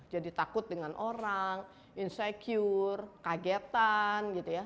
jadi takut dengan orang insecure kagetan gitu ya